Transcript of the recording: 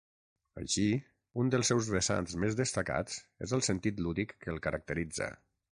Així, un dels seus vessants més destacats és el sentit lúdic que el caracteritza.